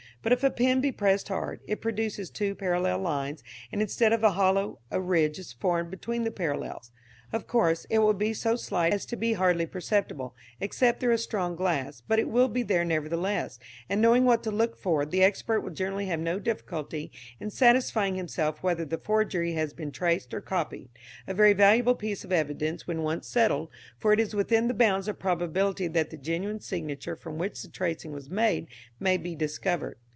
But if a pen be pressed hard, it produces two parallel lines, and, instead of a hollow, a ridge is formed between the parallels. Of course, it will be so slight as to be hardly perceptible, except through a strong glass, but it will be there nevertheless, and knowing what to look for, the expert will generally have no difficulty in satisfying himself whether the forgery has been traced or copied, a very valuable piece of evidence when once settled, for it is within the bounds of probability that the genuine signature from which the tracing was made may be discovered.